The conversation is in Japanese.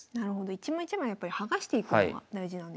一枚一枚やっぱり剥がしていくのが大事なんですね。